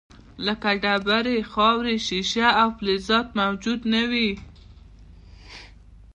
لکه ډبرې، خاورې، شیشه او فلزات موجود نه وي.